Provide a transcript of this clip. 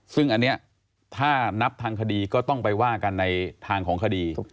ซึ่งอันนี้ถ้านับทางคดีก็ต้องไปว่ากันในทางของคดี